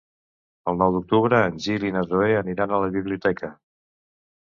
El nou d'octubre en Gil i na Zoè aniran a la biblioteca.